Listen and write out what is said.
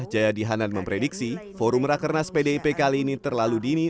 jayadi hanan memprediksi forum rakernas pdip kali ini terlalu dini